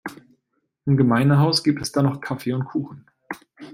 Im Gemeindehaus gibt es dann noch Kaffee und Kuchen.